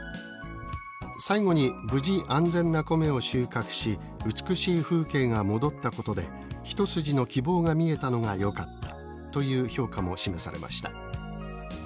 「最後に無事安全なコメを収穫し美しい風景が戻ったことで一筋の希望が見えたのがよかった」という評価も示されました。